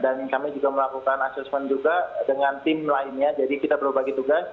dan kami juga melakukan asesmen juga dengan tim lainnya jadi kita perlu bagi tugas